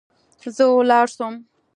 زه ولاړ سوم.